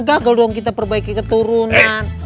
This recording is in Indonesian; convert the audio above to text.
gagal dong kita perbaiki keturunan